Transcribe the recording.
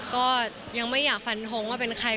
ก็ยังไม่อยากฟันทงว่าเป็นใคร